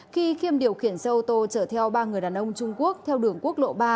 khi khiêm điều khiển xe ô tô chở theo ba người đàn ông trung quốc theo đường quốc lộ ba